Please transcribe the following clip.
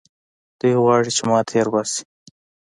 دوى غواړي چې ما تېر باسي.